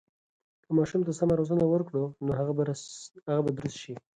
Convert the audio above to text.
که ماشوم ته سمه روزنه ورکړو، نو هغه به درست شي.